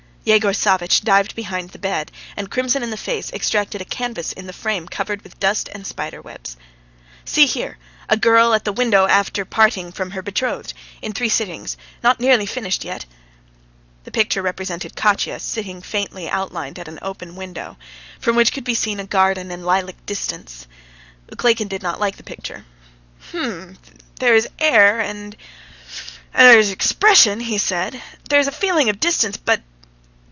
Yegor Savvitch dived behind the bed, and crimson in the face, extracted a canvas in a frame covered with dust and spider webs. "See here. ... A girl at the window after parting from her betrothed. In three sittings. Not nearly finished yet." The picture represented Katya faintly outlined sitting at an open window, from which could be seen a garden and lilac distance. Ukleikin did not like the picture. "H'm! ... There is air and ... and there is expression," he said. "There's a feeling of distance, but